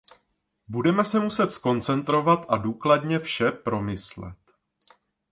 Budeme se muset zkoncentrovat a důkladně vše promyslet.